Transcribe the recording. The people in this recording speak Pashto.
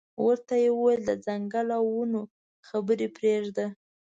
ورته یې وویل د ځنګل او ونو خبرې پرېږده.